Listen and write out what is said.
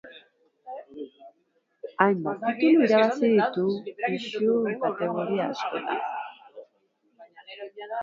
Hainbat titulu irabazi ditu, pisu kategoria askotan.